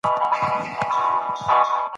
څنګه سګریټ بدن اغېزمن کوي؟